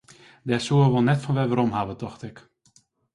Dêr soe er wol net fan werom hawwe, tocht ik.